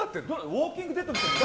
「ウォーキング・デッド」みたいな。